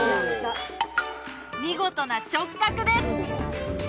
見事な直角です！